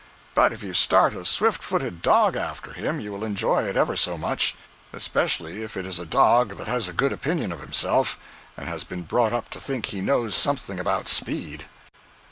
But if you start a swift footed dog after him, you will enjoy it ever so much—especially if it is a dog that has a good opinion of himself, and has been brought up to think he knows something about speed.